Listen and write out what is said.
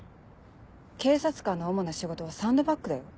警察官の主な仕事はサンドバッグだよ。